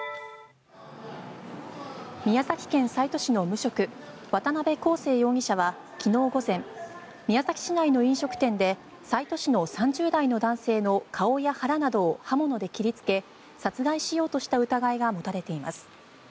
宮崎県西都市の無職渡邊好生容疑者は昨日午前宮崎市内の飲食店で西都市の３０代男性の顔や腹などを刃物で切りつけ殺害しようとした疑いが持たれています。